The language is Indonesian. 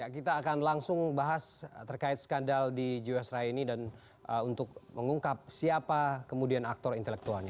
kita akan langsung bahas terkait skandal di jiwasraya ini dan untuk mengungkap siapa kemudian aktor intelektualnya